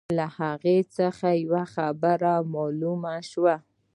له هغه څخه یوه خبره معلومه شوه.